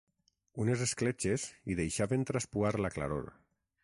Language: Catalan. Unes escletxes hi deixaven traspuar la claror.